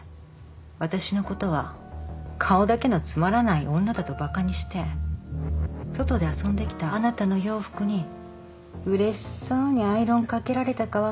私のことは顔だけのつまらない女だとバカにして外で遊んできたあなたの洋服にうれしそうにアイロンかけられたか分かる？